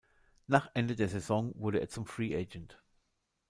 Nach Ende der Saison wurde er zum Free Agent.